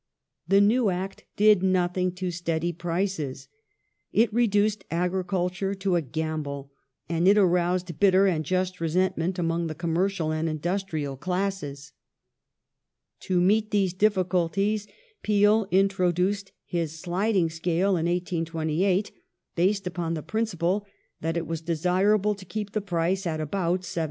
The new Act did nothing to steady prices ; it reduced agriculture to a gamble ; and it ai'oused bitter and just resentment among the commercial and industrial classes. To meet these difficulties Peel introduced his sliding scale in 1828, based upon the principle that it was desirable to keep the price at about 70s.